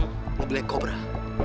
gak bisa nyerah